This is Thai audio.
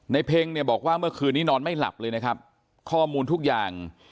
เพ็งเนี่ยบอกว่าเมื่อคืนนี้นอนไม่หลับเลยนะครับข้อมูลทุกอย่าง